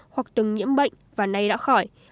hoặc từng nhiễm bệnh và nay đã khỏi